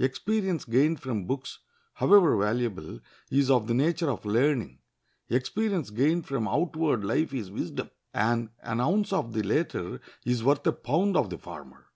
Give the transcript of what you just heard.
Experience gained from books, however valuable, is of the nature of learning; experience gained from outward life is wisdom; and an ounce of the latter is worth a pound of the former.